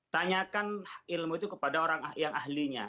tanyakan ilmu itu kepada orang yang ahlinya